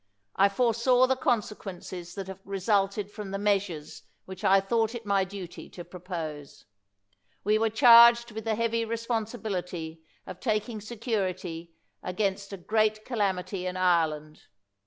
I foresaw the consequences that have resulted from the measures which I thought it my duty to pro pose. We were charged with the heavy respon sibility of taking security against a great calam ity in Ireland.